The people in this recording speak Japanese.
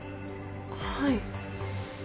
はい。